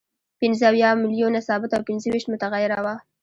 پنځه اویا میلیونه ثابته او پنځه ویشت متغیره وه